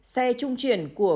xe trung chuyển của